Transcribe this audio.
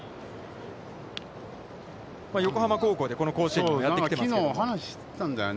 横浜高校でこの甲子園にもやってきていますけど。